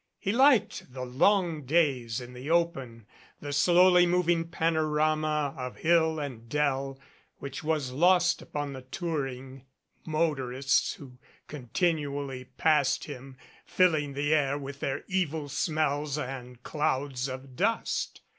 He liked the long days in the open. The slowly moving panorama of hill and dell, which was lost upon the touring motorists who continually passed him, filling the air with their evil smells and clouds of dust.